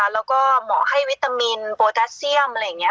แล้วก็หมอให้วิตามินโปรตัสเซียมอะไรอย่างนี้